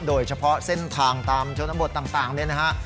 โดยเฉพาะเส้นทางตามชนบทต่างเนี่ยนะฮะ